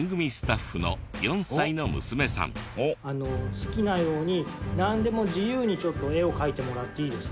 好きなようになんでも自由にちょっと絵を描いてもらっていいですか？